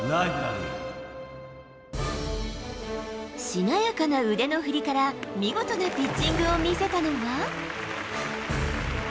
しなやかな腕の振りから、見事なピッチングを見せたのは。